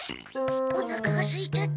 おなかがすいちゃった。